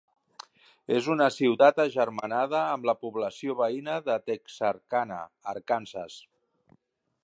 És una ciutat agermanada amb la població veïna de Texarkana, Arkansas.